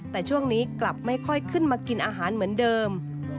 แต่ช่วงนี้กลับไม่ค่อยขึ้นมากินอาหารเหมือนเดิม